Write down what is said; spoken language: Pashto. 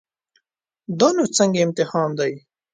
دا نو څنګه امتحان دی.